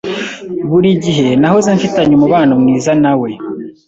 Buri gihe nahoze mfitanye umubano mwiza na we